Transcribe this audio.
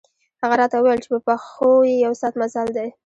هغه راته ووېل چې په پښو یو ساعت مزل دی.